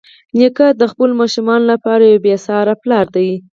نیکه د خپلو ماشومانو لپاره یو بېساري پلار دی.